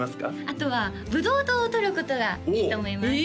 あとはブドウ糖をとることがいいと思います